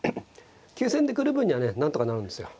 急戦で来る分にはねなんとかなるんですよ。